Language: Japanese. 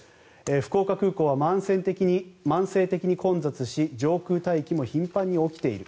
福岡空港は慢性的に混雑し上空待機も頻繁に起きている。